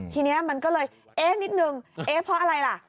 ทีนี้มันก็เลยเอ๊ะนิดนึงเอ๊ะเพราะอะไรล่ะ